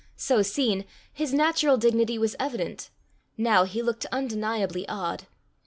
So seen, his natural dignity was evident; now he looked undeniably odd.